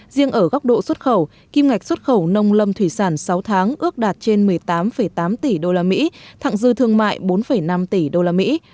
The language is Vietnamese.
riêng ở góc độ xuất khẩu kim ngạch xuất khẩu nông lâm thủy sản sáu tháng ước đạt trên một mươi tám tám tỷ usd thẳng dư thương mại bốn năm tỷ usd